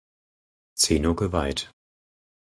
Zeno geweiht.